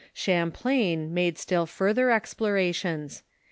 Champlain made still further explorations.